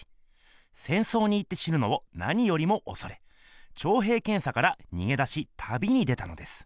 戦争に行って死ぬのをなによりもおそれ徴兵検査からにげ出し旅に出たのです。